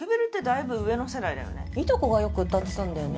いとこがよく歌ってたんだよね。